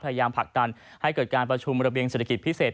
พยายามผลักดันให้เกิดการประชุมระเบียงเศรษฐกิจพิเศษ